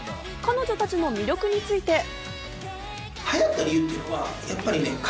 彼女たちの魅力について。